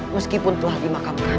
meskipun telah dimakamkan